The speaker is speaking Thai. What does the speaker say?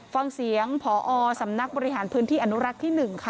ฟังเสียงพอสำนักบริหารพื้นที่อระโนรับที่หนึ่งค่ะ